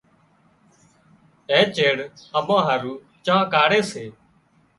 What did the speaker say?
اين چيڙ اَمان هارو چانه ڪاڙهي سي۔